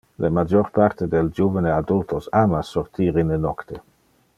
Le major parte del juvene adultos ama sortir in le nocte.